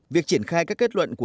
việc triển khai các kết luận của